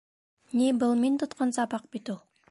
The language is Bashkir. — Ни, был мин тотҡан сабаҡ бит ул.